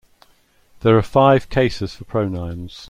There are five cases for pronouns.